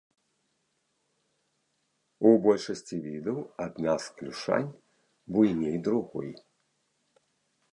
У большасці відаў адна з клюшань буйней другой.